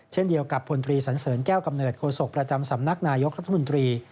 เช่นเดียวกับพลตรีสันเสริญแก้วกำเนิดโศกประจำสำนักนายกรัฐมนตรี